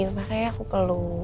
makanya aku peluk